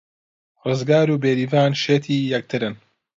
ڕزگار و بێریڤان شێتی یەکترن.